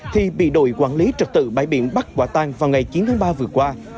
thì bị đội quản lý trật tự bãi biển bắt quả tan vào ngày chín tháng ba vừa qua